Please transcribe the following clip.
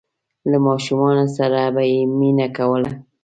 له ماشومانو سره به یې مینه کوله.